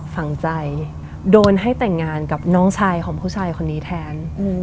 ฝังใจโดนให้แต่งงานกับน้องชายของผู้ชายคนนี้แทน